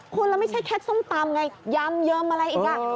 คุณแล้วไม่ใช่แค่ส้มตำไงยำเยิมอะไรอีก